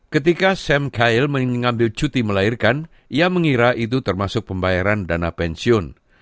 ketika sam kail mengambil cuti melahirkan ia mengira itu termasuk pembayaran dana pensiun